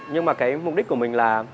nhưng mà cái mục đích của mình là